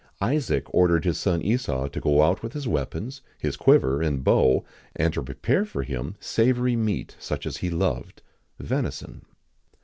Isaac ordered his son Esau to go out with his weapons, his quiver and bow, and to prepare for him savoury meat, such as he loved (venison).